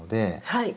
はい。